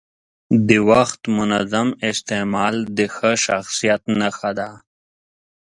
د وخت منظم استعمال د ښه شخصیت نښه ده.